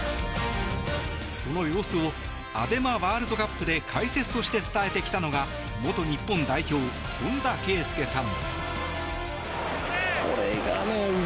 その様子をＡＢＥＭＡワールドカップで解説として伝えてきたのが元日本代表・本田圭佑さん。